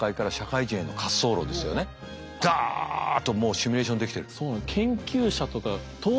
ダッともうシミュレーションできてる。